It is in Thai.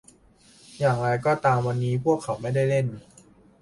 อย่างไรก็ตามวันนี้พวกเขาไม่ได้เล่น